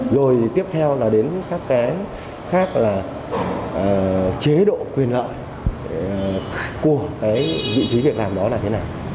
rồi tiếp theo là đến các cái khác là chế độ quyền lợi của cái vị trí việc làm đó là thế nào